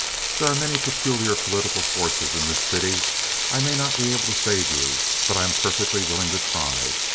There are many peculiar political forces in this city. I may not be able to save you, but I am perfectly willing to try.